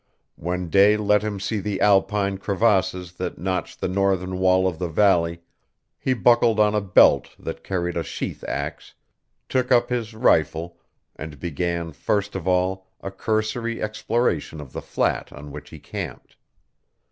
When day let him see the Alpine crevasses that notched the northern wall of the valley, he buckled on a belt that carried a sheath ax, took up his rifle and began first of all a cursory exploration of the flat on which he camped.